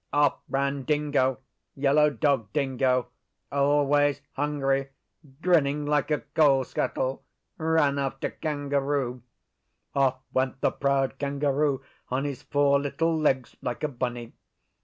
Off ran Dingo Yellow Dog Dingo always hungry, grinning like a coal scuttle, ran after Kangaroo. Off went the proud Kangaroo on his four little legs like a bunny.